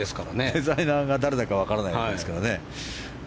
デザイナーが誰だか分からないですからね。